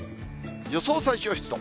予想最小湿度。